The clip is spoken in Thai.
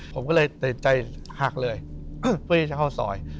ผมก็เลยติดใจหักเลยเพื่อที่จะเข้าซอย